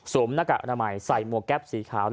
หน้ากากอนามัยใส่หมวกแก๊ปสีขาว